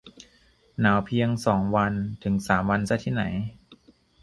หนาวเพียงสองวัน ถึงสามซะที่ไหน